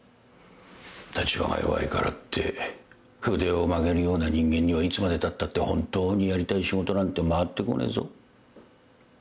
立場が弱いからって筆を曲げるような人間にはいつまでたったって本当にやりたい仕事なんて回ってこねえぞ。